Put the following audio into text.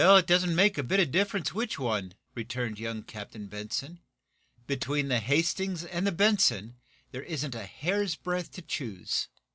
"It doesn't make a bit of difference which one," returned young Captain Benson. "Between the 'Hastings' and the 'Benson' there isn't a hair's breadth to choose.